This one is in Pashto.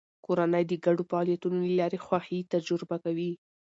کورنۍ د ګډو فعالیتونو له لارې خوښي تجربه کوي